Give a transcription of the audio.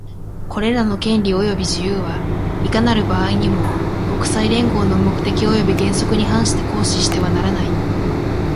これらの権利及び自由は、いかなる場合にも、国際連合の目的及び原則に反して行使してはならない。